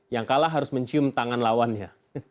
yang kalah harus mencium tangan lawannya